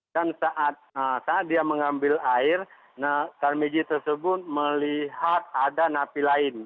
dan saat dia mengambil air tarmizi tersebut melihat ada napi lain